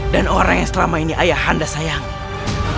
dan orang yang selama ini ayah anda sayangi